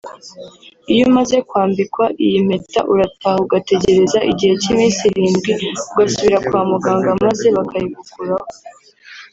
Iyo umaze kwambikwa iyi mpeta urataha ugategereza igihe cy’iminsi irindwi ugasubira kwa muganga maze bakayigukuraho